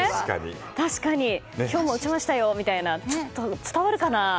確かに今日も打ちましたよってちょっと、伝わるかな？